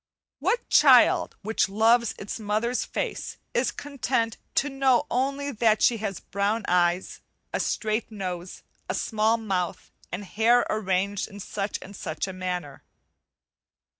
What child which loves its mother's face is content to know only that she has brown eyes, a straight nose, a small mouth, and hair arranged in such and such a manner?